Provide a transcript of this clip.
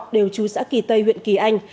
đều trú xã kỳ tây huyện kỳ anh